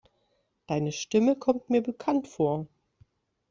Deine Stimme kommt mir bekannt vor.